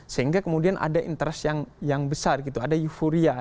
sehingga kemudian ada interest yang besar gitu ada euforia